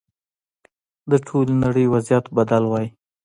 د ټولې نړۍ وضعیت بدل وای.